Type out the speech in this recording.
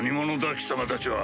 貴様たちは。